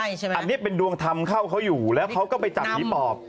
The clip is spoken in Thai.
อันนี้เป็นดวงธรรมเข้าเขาอยู่แล้วเขาก็ไปจับผีปอบ